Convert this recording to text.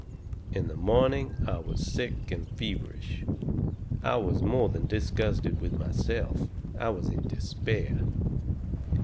"In the morning I was sick and feverish. I was more than disgusted with myself. I was in despair.